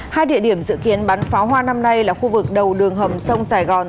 hai địa điểm dự kiến bắn pháo hoa năm nay là khu vực đầu đường hầm sông sài gòn